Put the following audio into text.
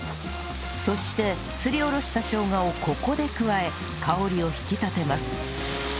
そしてすりおろしたしょうがをここで加え香りを引き立てます